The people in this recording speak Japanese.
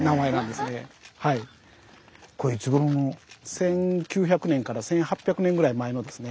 １９００年から１８００年ぐらい前のですね